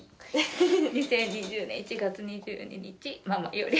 ２０２０年１月２２日ママより」。